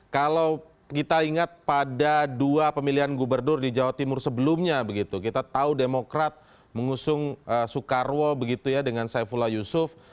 kalau kita ingat pada dua pemilihan gubernur di jawa timur sebelumnya begitu kita tahu demokrat mengusung soekarwo begitu ya dengan saifullah yusuf